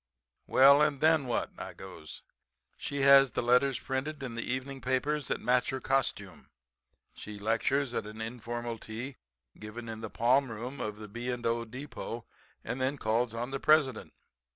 "'Well and then what?' I goes. 'She has the letters printed in the evening papers that match her costume, she lectures at an informal tea given in the palm room of the B. & O. Depot and then calls on the President.